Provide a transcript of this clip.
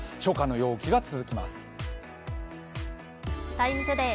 「ＴＩＭＥ，ＴＯＤＡＹ」